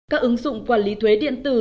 các ứng dụng quản lý thuế điện tử